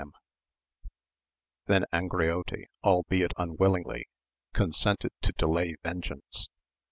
113 them. Then Angriote, albeit unwillingly, consented to delay vengeance.